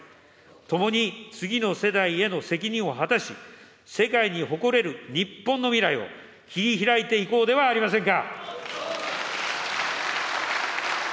共に次の世代への責任を果たし、世界に誇れる日本の未来を、切りひらいていこうではありませんか。